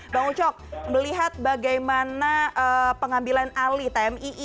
bang ucok melihat bagaimana pengambilan alih tmii